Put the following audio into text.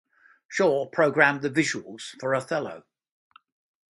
Shaw programmed the visuals for "Othello".